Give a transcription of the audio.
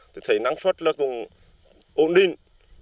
thầy năng suất cũng ổn định